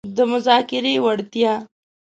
-د مذاکرې وړتیا